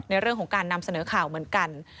ในเรื่องของการนำเสนอข่าวเหมือนกัน